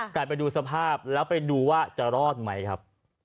แต่ไปดูสภาพแล้วไปดูว่าจะรอดไหมครับ